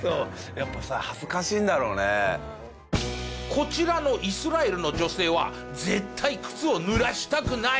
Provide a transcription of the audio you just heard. こちらのイスラエルの女性は絶対靴を濡らしたくない！